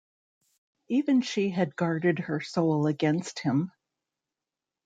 Even she had guarded her soul against him.